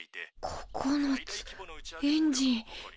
９つエンジン。